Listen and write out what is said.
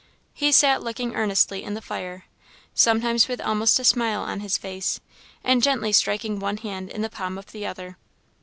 He sat looking earnestly in the fire, sometimes with almost a smile on his face, and gently striking one hand in the palm of the other.